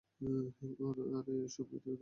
আরে, ওসব মেনে নাও।